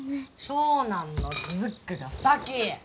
長男のズックが先！